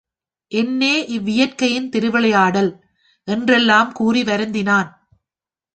என்னே இவ்வியற்கையின் திருவிளை யாடல்! என்றெல்லாம் கூறி வருந்தினான்.